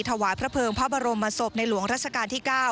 ถวายพระเภิงพระบรมศพในหลวงรัชกาลที่๙